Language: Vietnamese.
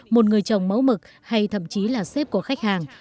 một người chồng mẫu mực hay thậm chí là sếp của khách hàng